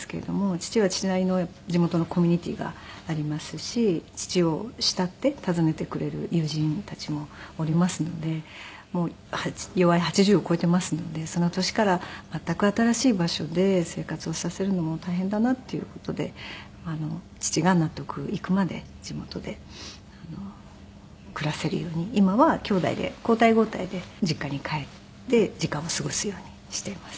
父は父なりの地元のコミュニティーがありますし父を慕って訪ねてくれる友人たちもおりますのでよわい８０を超えていますのでその年から全く新しい場所で生活をさせるのも大変だなっていう事で父が納得いくまで地元で暮らせるように今はきょうだいで交代交代で実家に帰って時間を過ごすようにしています。